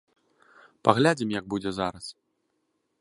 Паглядзім як будзе зараз.